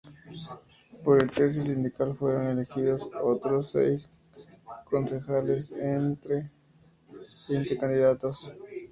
Por el tercio sindical fueron elegidos otros seis concejales, entre veinte candidatos.